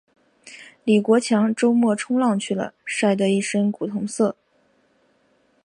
李国强周末冲浪去了，晒得一身古铜色。